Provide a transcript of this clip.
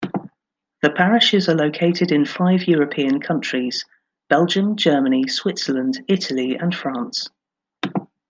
The parishes are located in five European countries: Belgium, Germany, Switzerland, Italy and France.